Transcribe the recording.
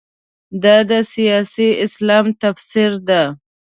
دا د سیاسي اسلام تفسیر ده.